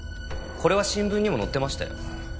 これは新聞にも載ってましたよ。